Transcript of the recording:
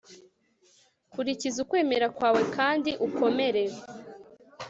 kurikiza ukwemera kwawe kandi ukomere